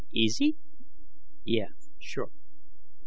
Easy? Yeah. Sure.